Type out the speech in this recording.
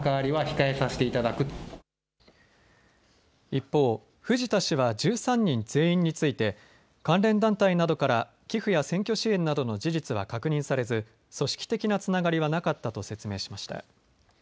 一方、藤田氏は１３人全員について関連団体などから寄付や選挙支援などの事実は確認されず組織的なつながりはなかったと説明しました。